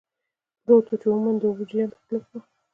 پروت و، چې عموماً د اوبو جریان پکې لږ و.